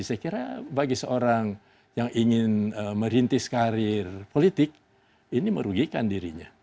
saya kira bagi seorang yang ingin merintis karir politik ini merugikan dirinya